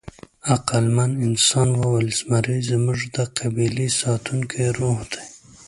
عقلمن انسان وویل: «زمری زموږ د قبیلې ساتونکی روح دی».